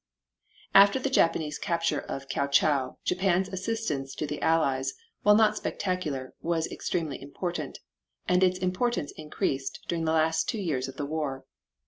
After the Japanese capture of Kiao chau Japan's assistance to the Allies, while not spectacular, was extremely important, and its importance increased during the last two years of the war.